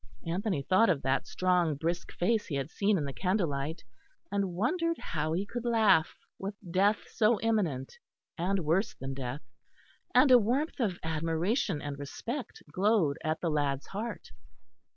Anthony thought of that strong brisk face he had seen in the candlelight; and wondered how he could laugh, with death so imminent and worse than death; and a warmth of admiration and respect glowed at the lad's heart.